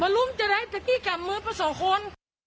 ลุมจะได้สักทีกลับมือมาสองคน